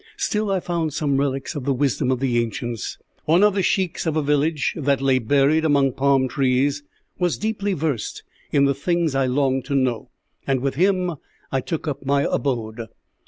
Still I found some relics of the wisdom of the ancients. One of the sheiks of a village that lay buried among palm trees was deeply versed in the things I longed to know, and with him I took up my abode.